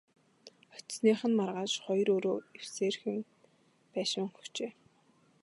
Очсоных нь маргааш хоёр өрөө эвсээрхэн байшин өгчээ.